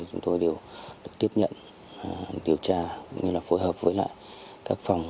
chúng tôi đều được tiếp nhận điều tra phối hợp với các phòng